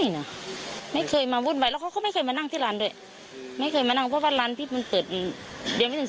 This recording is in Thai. นี่คือมาวันเดียวคือวันก่อเหตุเลย